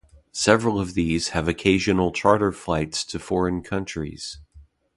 Several of these have occasional charter flights to foreign countries.